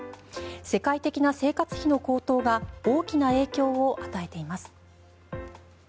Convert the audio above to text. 世界的な生活費の高騰が大きな影響を与えています。